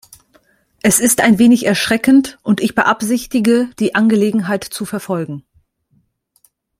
Es ist ein wenig erschreckend und ich beabsichtige, die Angelegenheit zu verfolgen.